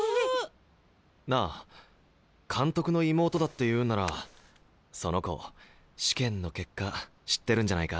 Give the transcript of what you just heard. なあ監督の妹だっていうんならその子試験の結果知ってるんじゃないか？